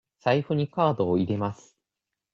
財布にカードを入れます。